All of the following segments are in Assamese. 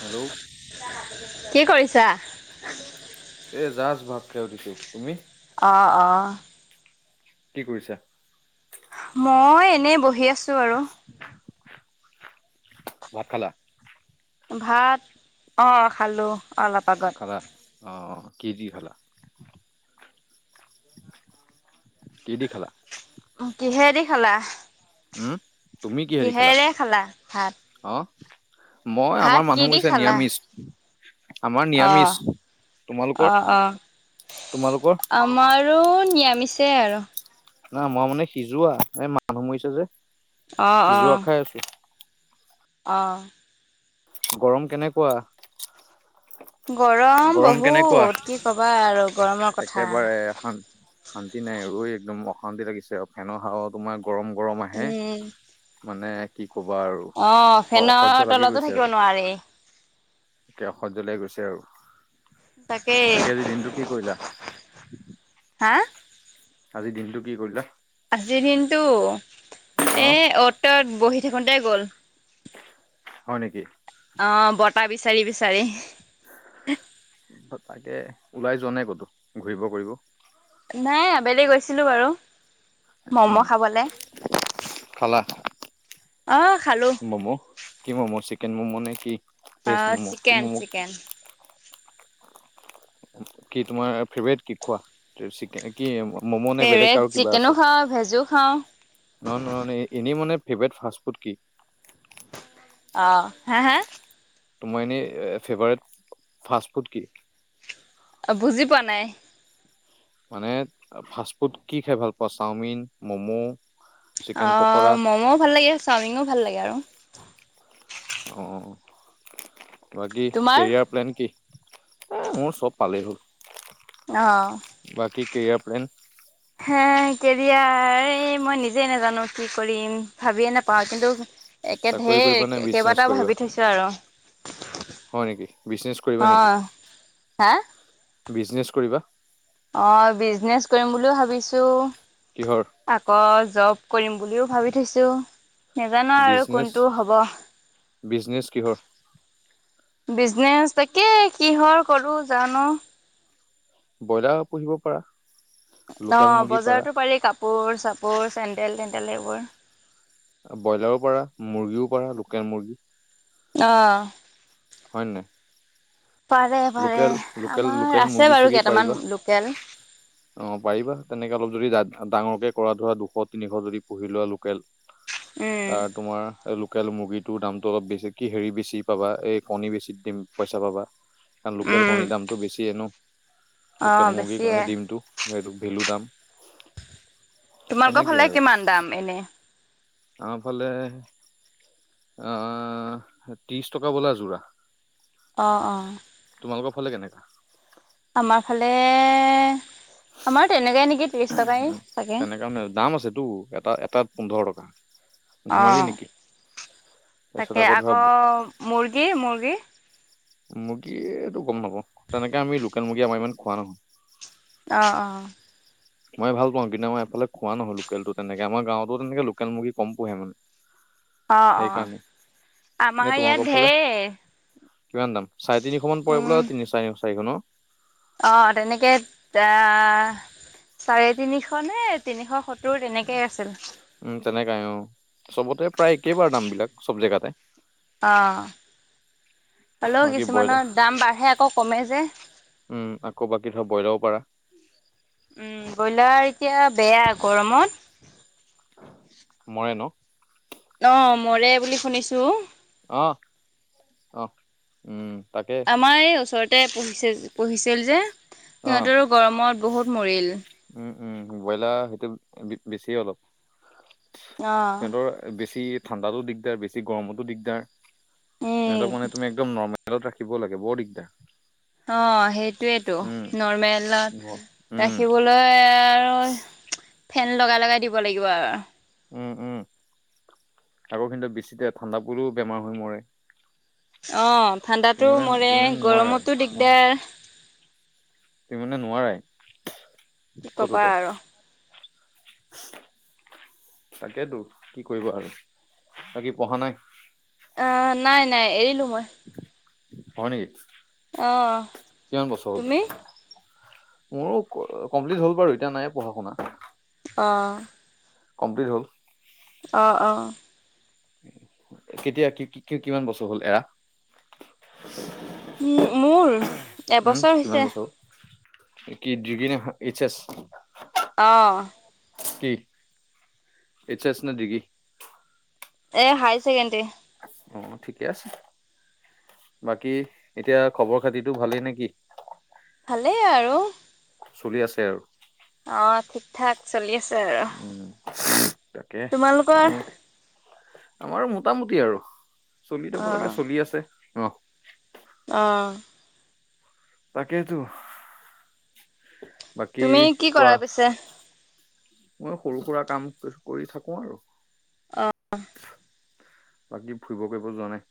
হেল্ল' কি কৰিছা এতিয়া উঠিছো তুমি অ অ কি কৰিছা মই এনেই বহি আছো আৰু ভাত খালা ভাত অ খালো খালা অ কি দি খালা কি দি খালা কিহেদি খালা উম তুমি কিহেদি কিহেৰে খালা ভাত অ মই ভাত আমাৰ কি মানুহ দি হৈছে খালা? নিৰামিচ অ তোমালোকৰ অ অ তোমালোকৰ আমাৰ আৰু নিৰামিষে আৰু। নাই মই মানে সিজোৱা এই মানুহ মৰিছে যে সিজোৱা খাই আছো। অহ', গৰম কেনেকোৱা? গৰম বহুত কি ক'বা আৰু গৰম একেবাৰে শান্ত শান্তি নাই আৰু ৱেই একদম অশান্তি লাগিছে আৰু ফেনৰ হাৱা তোমাৰ গৰম- গৰম আহে উম। মানে কি ক'বা আৰু অ', ফেনৰ তলতো থাকিব নোৱাৰি। এতিয়া অসহ্য লাগি গৈছে আৰু। তাকেই। বাকি আজি দিনটো কি কৰিলা? হা? আজি দিনটো কি কৰিলা? আজিৰ দিনটো এ অ', অ'ত -ত'ত বহি থাকোতে গ'ল। হয় নেকি? অহ বতাহ বিচাৰি - বিচাৰি। [inaudible] তাকে ওলাই যোৱা নাই ক'তো ঘূৰিব কৰিব? নাই আবেলি গৈছিলো বাৰু উম, ম'ম'খাবলে। খালা ম'ম কি ম'ম চিকেন ম'ম নে কি? ভেজ অ ম'ম'কি চিকেন ম'ম'? চিকেন কি তোমাৰ ফেভৰেট কি কোৱা চিকেন কি ম'ম' নে বেলেগ ফেভৰেট আৰু কিবা চিকেনো আছে খাওঁ ভেজো খাওঁ নহ ন' এনেই মানে ফেভৰেট ফাষ্টফুড কি? অ', হা', হা',। তোমাৰ এনেই ফেভাৰেট ফাষ্ট -ফুড কি? অ', বুজি পোৱা নাই। মানে ফাষ্ট ফুড কি খাই ভাল পোৱা চাওমিন, ম'ম? চিকেন আহ, পকৰা? মম'ও ভাল লাগে চাওমিনো ভাল লাগে আৰু। অ', বাকী তোমাৰ কেৰিয়াৰ প্লেন কি? এ মোৰ চব পালেই হ'ল। অহ', বাকী কেৰিয়াৰ প্লেন? কেৰিয়াৰ এই মই নিজে নাজানো কি কৰিম। ভাবিয়ে নাপাওঁ কিন্তু একে চাকৰি কৰিবা নে ঢেৰ বিজনেছ কেইবাটাও কৰিবা ভাবি থৈছো আৰু। হয় নেকি বিজনেছ কৰিবা অ নেকি হা বিজনেছ কৰিবা? অ', বিজনেচ কৰিম বুলি ভাবিছো। কিহৰ আকৌ জব কৰিম বুলিও ভাবি থৈছো। নেজানো আৰু কোনটো হ'ব। বিজনেচ কিহৰ? বিজনেচ তাকে কিহৰ কৰো জানো ব্ৰইলাৰ পুহিব পাৰা। লোকেল অহ, মুৰ্গী পাৰা বজাৰতো পাৰি কাপোৰ চাপোৰ চেণ্ডেল- তেণ্ডেল এইবোৰ। ব্ৰইলাৰো পাৰা মুৰ্গীও পাৰা লোকেল মুৰ্গী। অহ', হয় নে নাই। পাৰে লোকেল লোকেল- আমাৰ লোকেল আছে মুৰ্গী বাৰু চোৰ্গী কেইটামান পাৰিবা। লোকেল অহ, পাৰিবা তেনেকে অলপ যদি যাত ডাঙৰকে কৰাটোহে দুশ, তিনি যদি পুহি লোৱা লোকেল উম। তাৰ তোমাৰ লোকেল মুৰ্গীটোৰ দামটো অলপ বেছি কি হেৰি বেছি পাবা এই কণী বেছি দিম পইচা পাবা। কাৰণ লোকেল উম কণীৰ দামটো বেছিয়ে ন' অ লোকেল বেছিয়ে মুৰ্গীৰ দিমটো সেইটো ভেলু দাম। তোমালোকৰ ফালে কিমান দাম এনে? আমাৰফালে আহ, ত্ৰিছ টকা বোলা যোৰা। অ', অ', তোমালোকৰ ফালে কেনেকা? আমাৰ ফালে আমাৰ তেনেকাই নেকি ত্ৰিশ টকাই উম, চাগে। তেনেকাণে দাম আছেতো এটা এটাত পোন্ধৰ টকা। অ ধেমালি নেকি? তাৰপিছত তাকে ধৰা আকৌ মুৰ্গী - মুৰ্গী। মুৰ্গীটো গম নাপাওঁ তেনেকে আমি লোকেল মুৰ্গী আমাৰ ইমান খোৱা নহয়। অ', অ',। মই ভাল পাওঁ কিন্তু মই এফালে খোৱা নহয় লোকেলটো তেনেকে আমাৰ গাঁৱতো তেনেকে লোকেল মুৰ্গী কম পোহে মানে। অ', অ সেইকাৰণে ', এনে আমাৰ ইয়াত তোমালোকৰ ফালে ঢেৰ। কিমান দাম চাৰে তিনিশ মান পৰি বোলে উম, তিনিকা চাৰিশ অ', তেনেকে আহ চাৰে তিনিশ নে তিনিশ স উম, তেনেকাই অহ চবতে প্ৰায় একেবাৰু দাম বিলাক চব জেগাতে। অহ', হলেও বাকী ব্ৰইলাৰ কিছুমানৰ দাম বাঢ়ে আকৌ কমে যে। উম, আকৌ বাকী ধৰ বইলাও পাৰা। উম, ব্ৰইলাৰ এতিয়া বেয়া গৰমত। মৰে ন' অ' মৰে বুলি শুনিছো। অ', উম। তাকে আমাৰ এই ওচৰতে পঢ়িছে পঢ়িছিল যে অহ সিহঁতৰো গৰমত বহুত মৰিল। উম উম, ব্ৰইলাৰ সেইটো বেছিয়ে অলপ অ', সিহঁতৰ বেছি ঠাণ্ডাতো দিগদাৰ বেছি গৰমতো দিগদাৰ উম, সিহঁতক মানে তুমি একদম নৰ্মেল খেলত ৰাখিব লাগে বৰ দিগদাৰ। অহ, সেইটোৱেটো উম নৰ্মেলত ব- উম ৰাখিবলৈ আৰ ফেন লগাই -লগাই দিব লাগিব আৰু। উম- উম তাকো কিন্তু বেছিকে ঠাণ্ডা পৰিলো বেমাৰ হৈ মৰে। অহ, তুমি ঠাণ্ডাতো মানে মৰে তুমি মানে নোৱাৰাই গৰমতো অ দিগদাৰ। তুমি মানে নোৱাৰাই কি ক'বা কতোতে আৰু। [inaudible] তাকেই তো কি কৰিবা আৰু বাকী পঢ়া নাই? অহ, নাই -নাই এৰিলো মই। হয় নিকি? অহ, তুমি? মোৰো কমপ্লিট হ'ল বাৰু এতিয়া নাই পঢ়া- শুনা। অহ ', কমপ্লিট হ'ল। অ', অ', কেতিয়া কি- কি কিমান বছৰ হ'ল এৰা। উম, মোৰ উম এবছৰ কিমান হৈছে। বছৰ হ'ল? কি ডিগ্ৰী নে এইচ আই বি পজিটিভ ওলাইছে। অহ', কি এইচ এচ নে ডিগ্ৰী? এ হাই ছেকেণ্ডেৰী। আহ ঠিকেই আছে। বাকী এতিয়া খবৰ খাতিটো ভালেই নেকি? ভালেই আৰু। চলি আছে আৰু। অ, ঠিক-ঠাক চলি আছে। আৰু উম তাকে আৰু তোমালোকৰ? আমাৰো মোটামুটি আৰু চলি যাব লাগে অ'। চলি আছে। অ। অ। তাকেইটো, বাকী তুমি কি কোৱা। কৰা পিছে? মই সৰু-সুৰা কাম কৰি থাকো আৰু। অ। বাকী ফুৰিব কৰিব যোৱা নাই?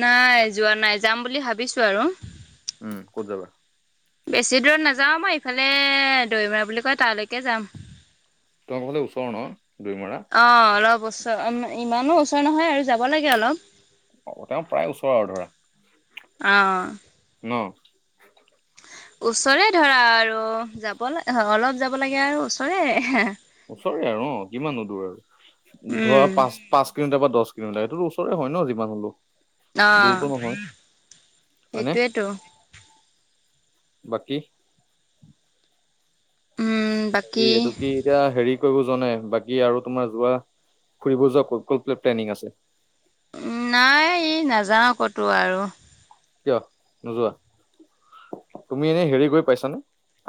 নাই যোৱা নাই, যাম বুলি ভাবিছো আৰু। উম, ক'ত যাবা? বেছি দূৰত নাযাও মই। ইফালে দৈমৰা বুলি কয় তালৈকে যাম। তই কলে ওচৰ ন? দৈমৰা অ, অলপ ওচৰ, ইমানো ওচৰ নহয় আৰু যাব লাগে অলপ। অ তেও প্ৰায় ওচৰ আৰু ধৰা। অ। ন? ওচৰে ধৰা আৰু যাব অলপ যাব লাগে আৰু ওচৰে। ওচৰে আৰু অ কিমানো দূৰ আৰু উম, ধৰা পাঁচ, পাঁচ কিলোমিটাৰ বা দছ সেইটো ওচৰে হয় ন যিমান হলেও। অ, দূৰতো নহয় হয়নে সেইটোৱেটো। বাকী? উম, হেৰি বাকী এইটো কি এতিয়া হেৰি ফুৰিব যোৱা নাই বাকী আৰু তোমাৰ যোৱা ফুৰিব যোৱা ক'ত-ক'ত প্লেনিং আছে? উ নাই ই নাযাওঁ কতো আৰু। কিয় নোযোৱা? তুমি এনেই হেৰি কৰি পাইছানে?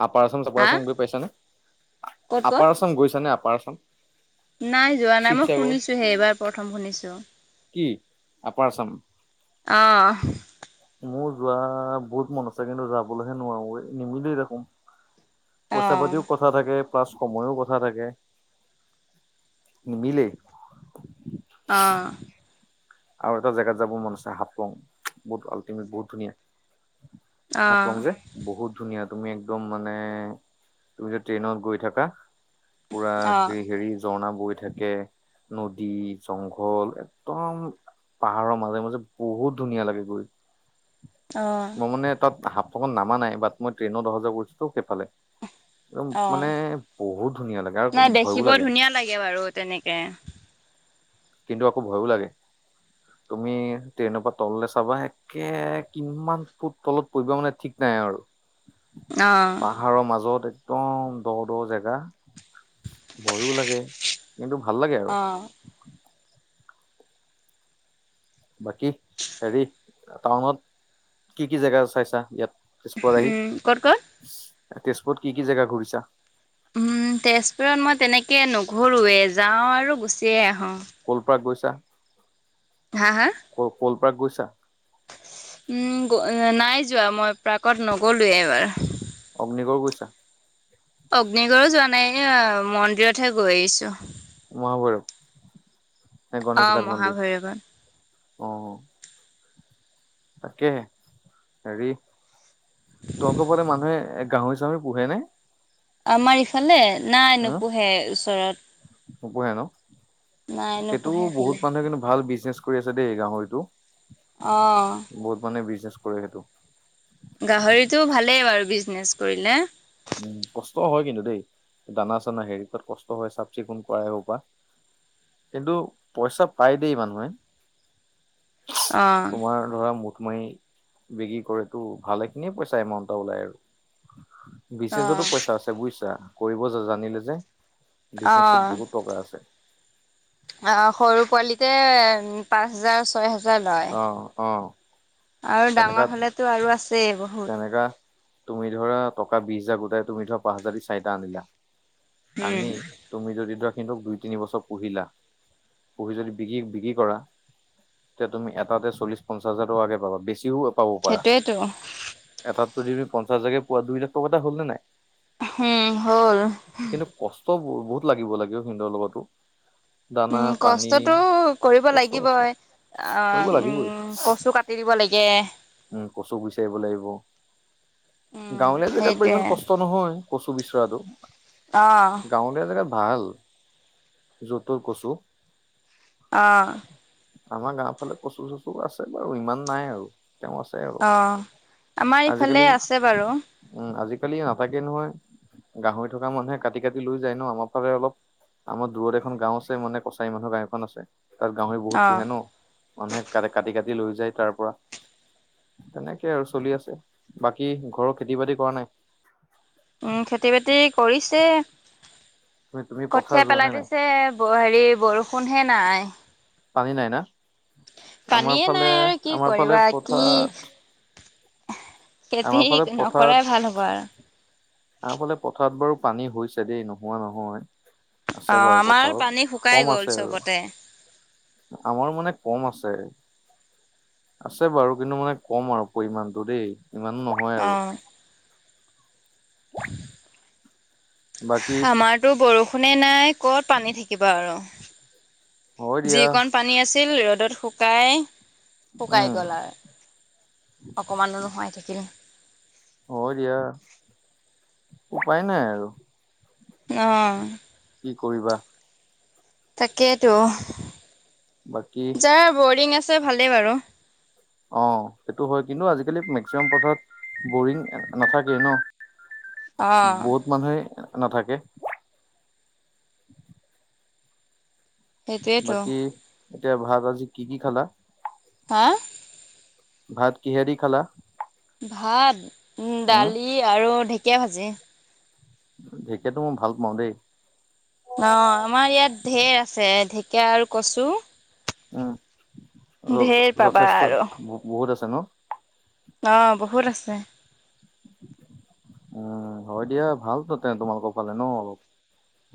আপাৰ আচাম চাপাৰ হা আচাম গৈ পাইছানে? ক'ত ক'ত আপাৰ আচাম গৈছা নে আপাৰ আচাম? নাই যোৱা নাই। মই শুনিছোহে, এইবাৰ প্ৰথম শুনিছো। কি আপাৰ আচাম? অহ। যোৱা বহুত মন আছে। কিন্তু যাবলৈহে নোৱাৰো, এই নিমিলেই দেখোন। পইচা অ', পাতিও কথা থাকে। প্লাছ সময়ো কথা থাকে, নিমিলেই। অ। আৰু এটা জেগাত যাব মন আছে। হাপলং, বহুত আল্টিমেট বহুত ধুনীয়া। হাফলং অ', যে বহুত ধুনীয়া। তুমি একদম মানে তুমি যে ট্ৰেইনত গৈ থাকা পুৰা অ', হে হেৰি ঝৰ্ণা বৈ থাকে, নদী, জংঘল একদম পাহাৰৰ মাজে মাজে বহুত ধুনীয়া লাগে গৈ। অ', মই মানে তাত হাফলংত নামা নাই। বাট মই ট্ৰেইনত অহা যোৱা কৰিছোটো সেইফালে। একদম মানে অ', বহুত ধুনীয়া লাগে আৰু নাই ভয়ো দেখিব লাগে। [inaudible] ধুনীয়া বাৰু তেনেকে কিন্তু আকৌ ভয়ো লাগে। তুমি ট্ৰেইনৰ পৰা তললে চাবা, একে কিমান ফুট তলত পৰিবা মানে ঠিক নাই। নাই আৰু অ', পাহাৰৰ মাজত একদম দ দ জেগা। ভয়ো লাগে, কিন্তু ভাল লাগে আৰু। অ', বাকী হেৰি টাউনত কি কি জেগা চাইছা ইয়াত? তেজপুৰত আহি উম, ক'ত ক'ত? তেজপুৰত কি কি জেগা ঘূৰিছা? উম, তেজপুৰত মই তেনেকে নুঘুৰুৱে। যাও আৰু গুচিয়ে আহো। কলপাক গৈছা? হা', হা', ক'ল পাৰ্ক গৈছা? উম, নাই যোৱা মই প্ৰৰ্কত নাই যোৱা এইবাৰ। অগ্নিগড় গৈছা? অগ্নিগড়ো যোৱা নাই ইয় মন্দিৰতহে গৈ আহিছো। মহাভৈৰৱ। নে অ' গণেশগাৰ মন্দিৰ মহাভৈৰৱত। অহ। তাকে হেৰি তহঁতৰ ফালে মানুহে এ গাহৰি চাহৰি পোহে নে? আমাৰ ইফালে নাই উম নোপোহে ওচৰত। নোপোহে ন নাই সেইটো নোপোহে বহুত এইফালে। মানুহে কিন্তু ভাল বিজনেচ কৰি আছে দেই গাহৰি। তু অ' বহুত মানে বিজনেচ কৰে সেইটো। গাহৰিটো ভালেই বাৰু বিজনেচ কৰিলে। উম কষ্ট হয় কিন্তু দেই দানা চানা -হেৰি কৰাত কষ্ট হয় চাফ চিকুণ কৰা সেইসোপা। কিন্তু পইচা পাই দেই মানুহে। অ' তোমাৰ ধৰা মই বিক্ৰী কৰিটু ভালেখিনিয়ে পইচা এমাউন্ট এটা ওলাই আৰু। বিজনেজতো অ' পইচা আছে বুইছা কৰিব জানিলে যে। বিজনেছত অ' বহুত টকা আছে। অ', সৰু পোৱালিতে পাঁচ হেজাৰ, ছয় হেজাৰ। অহ ', অহ ', আৰু তেনেকা ডাঙৰ হলেতো আৰু আছেই বহুত -তেনেকা তুমি ধৰা টকা বিছ হাজাৰ গোটাই তুমি ধৰা পাঁচ হাজাৰদি চাৰিটা আনিলা উম আনি তুমি যদি ধৰা হিন্তক দুই তিন বছৰ পুহিলা পুহি যদি বিকি বিক্ৰী কৰা। এতিয়া তুমি এটাতে চলিচ পঞ্চাচ হেজাৰ টকাকে পাবা বিছ তীও পাব পাৰা সেইটোয়েতো এটাত যদি তুমি পঞ্চাশ হাজাৰকে পোৱা দুই লাখ টকা এটা হ'ল নে নাই? হম, হ'ল। চব বহুত লাগিব -লাগিব সিন্দৰ লগতো। দানা উম, পানী কষ্টটো কৰিব কষ্ট আছে লাগিবই। কৰিব অ', লাগিবই উম কচু কাটি দিব লাগিব। উম, কচু বিচাৰিব লাগিব। উম গাঁৱলীয়া জেগাত বাৰু সেইটোৱে ইমান কষ্ট নহয় কচু বিচৰাটো অ গাঁৱলীয়া জেগা ভাল যত তৰ কচু। অহ ', আমাৰ গাওৰ ফালে কচু -চচুআছে বাৰু ইমান নাই আৰু। তেওঁ আছে আৰু অহ, আমাৰ ইফালে আজিকালি আছে বাৰু। উম আজিকালি নাথাকে নহয় গাহৰি থকা মানুহে কাটি -কাটি লৈ যায় ন' আমাৰ ফালে অলপ আমাৰ দূৰত এখন গাঁও আছে মানে কছাৰী মানুহৰ গাঁও এখন আছে। তাত গাহৰি বহুত অ পোহে ন' মানুহে ক কাটি কাটি লৈ যায় তাৰ পৰা। তেনেকে আৰু চলি আছে বাকী ঘৰৰ খেতি বাতি কৰা নাই? উম, খেতি বাতি কৰিছে। তুমি তুমি পথাৰ কঠিয়া যোৱা নে পেলাই নাই দিছে হেৰি বৰষুণহে নাই। পানী নাই না আমাৰ পানীয়ে ফালে নাই আৰু -আমাৰ ফালে- কি আমাৰ ফালে কৰিবা কি পথাৰ খেতি আমাৰ ফালে নকৰাই ভাল হ'ব পথাৰত আৰু আমাফালে পথাৰত বাৰু পানী হৈছে দেই নোহোৱা নহয়। অ আছে বাৰু আমাৰ পথাৰত পানী শুকাই কম গ'ল আছে আৰু। চবতে আমাৰো মানে কম আছে। আছে বাৰু কিন্তু মানে কম আৰু পৰিমণটো দেই ইমানো নহয় আৰু। অ' বাকী আমাৰতো বৰষুণে নাই। ক'ত পানী থাকিবা আৰু হয় দিয়া যিকণ পানী আছিল ৰ'দত শুকাই শুকাই উম গ'ল আৰু অকমানো নোহোৱাই থাকিল [unintelligible] অ দিয়া উপায় নাই আৰু আহ কি কৰিবা তাকেইতো বাকী যাৰ বৰিং আছে ভালেই বাৰু অ সেইটো হয় কিন্তু আজিকালি মেক্সিমাম পথত বৰিং নাথাকেই ন [unintelligible] অ' বহুত মানুহে নাথাকে সেইটোৱেইতো [unintelligible] বাকী এতিয়া ভাত আজি কি কি খালা হা ভাত কিহেদি খালা [unintelligible] ভাত উম দালি আৰু ঢেকীয়া ভাজি ঢেকীয়াটো মই ভাল পাওঁ দেই অ আমাৰ ইয়াত ঢেৰ আছে ঢেকীয়া আৰু কচু উম ঢেৰ পাবা যথেষ্ট আৰু। বহুত আছে ন [unintelligible] অ বহুত আছে উম হয় দিয়া ভাল ততে তোমালোকৰ ফালে ন অলপ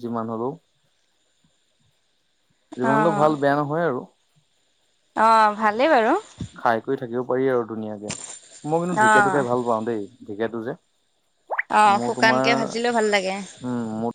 যিমান হলেও [unintelligible] যিমান হলেও অ' ভাল বেয়া নহয়, আৰু অ ভালেই বাৰু। খাই কৰি থাকিব পাৰি আৰু ধুনীয়াকে মই কিন্তু অ' ঢেঁকীয়াতোকে ভাল পাওঁ দেই। ঠিকেইেতো যে অ' মোৰ তোমাৰ শুকানকে ভাজিলেও ভাল লাগে। উম ম।